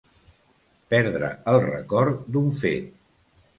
Perdre el record d'un fet.